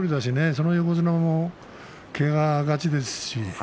その横綱がけががちですしね。